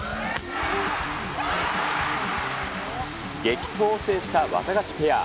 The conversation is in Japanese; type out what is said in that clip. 激闘を制したワタガシペア。